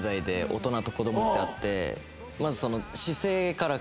まず。